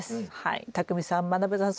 たくみさんまなぶさん